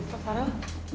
rief apa kabar